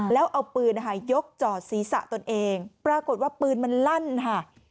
แล้วเอาปืนยกจอดศีรษะตนเองปรากฏว่าปืนมันลั่นค่ะ